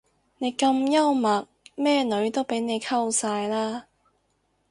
你咁幽默咩女都俾你溝晒啦